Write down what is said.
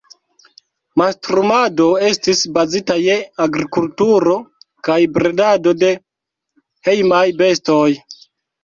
Mastrumado estis bazita je agrikulturo kaj bredado de hejmaj bestoj.